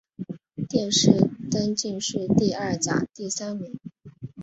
殿试登进士第二甲第三名。